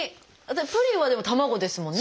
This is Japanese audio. プリンはでも卵ですもんね。